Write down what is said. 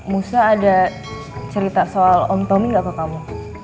musa ada cerita soal om tommy gak ke kamu